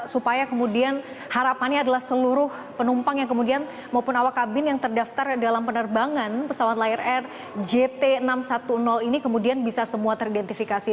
supaya kemudian harapannya adalah seluruh penumpang yang kemudian maupun awak kabin yang terdaftar dalam penerbangan pesawat lion air jt enam ratus sepuluh ini kemudian bisa semua teridentifikasi